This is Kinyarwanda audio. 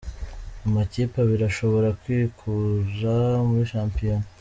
Amakipe abiri ashobora kwikura muri shampiyona